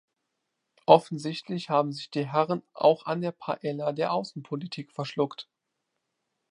Offensichtlich haben sich die Herren auch an der Paella der Außenpolitik verschluckt.